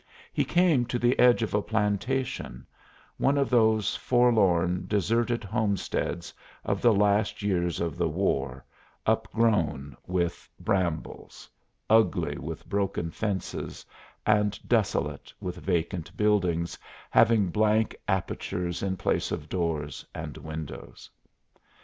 He came to the edge of a plantation one of those forlorn, deserted homesteads of the last years of the war, upgrown with brambles, ugly with broken fences and desolate with vacant buildings having blank apertures in place of doors and windows.